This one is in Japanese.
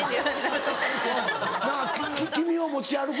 「君を持ち歩く」とか。